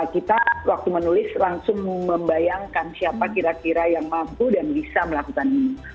kita waktu menulis langsung membayangkan siapa kira kira yang mampu dan bisa melakukan ini